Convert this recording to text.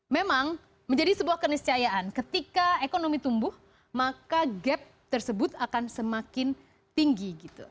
memang menjadi sebuah keniscayaan ketika ekonomi tumbuh maka gap tersebut akan semakin tinggi